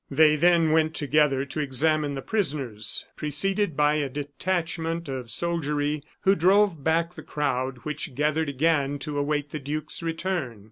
They then went together to examine the prisoners, preceded by a detachment of soldiery who drove back the crowd, which gathered again to await the duke's return.